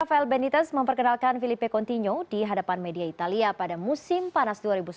rafael benites memperkenalkan filipe continuo di hadapan media italia pada musim panas dua ribu sembilan belas